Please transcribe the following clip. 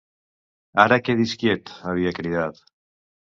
"Ara quedi's quiet", havia cridat.